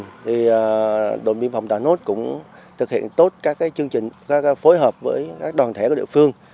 thì đồn biên phòng trà nốt cũng thực hiện tốt các chương trình phối hợp với các đoàn thể của địa phương